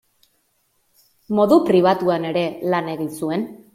Modu pribatuan ere lan egin zuen.